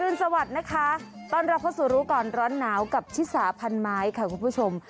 สวัสดีนะคะต้อนรับเข้าสู่รู้ก่อนร้อนหนาวกับชิสาพันไม้ค่ะคุณผู้ชม